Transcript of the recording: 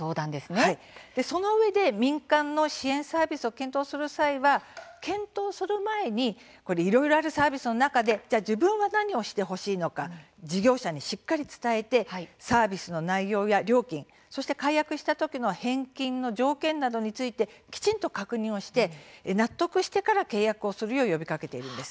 そのうえで民間の支援サービスを検討する際は、検討する前にいろいろあるサービスの中で自分は何をしてほしいのか事業者にしっかり伝えてサービスの内容や料金そして解約した時の返金の条件などについてきちんと確認をして納得してから契約をするよう呼びかけているんです。